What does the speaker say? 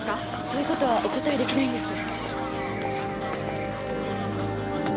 そういう事はお答え出来ないんです。